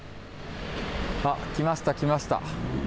来ました、来ました。